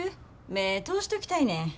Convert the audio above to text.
目ぇ通しときたいねん。